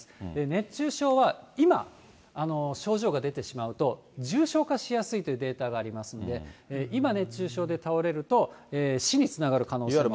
熱中症は今、症状が出てしまうと、重症化しやすいというデータがありますんで、今熱中症で倒れると、死につながる可能性が。